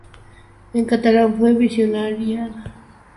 En catalán fue versionada por Guillermina Motta.